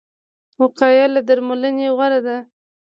وقایه له درملنې غوره ده